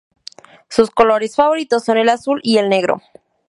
Sus colores favoritos son el azul y el negro.